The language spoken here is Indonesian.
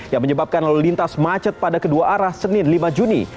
yang menyebabkan lalu lintas macet pada kedua arah senin lima juni